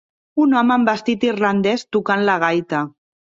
Un home amb vestit irlandès tocant la gaita.